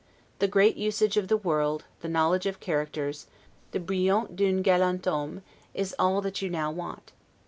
The great usage of the world, the knowledge of characters, the brillant dun 'galant homme,' is all that you now want.